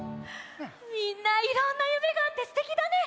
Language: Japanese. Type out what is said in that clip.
みんないろんなゆめがあってすてきだね。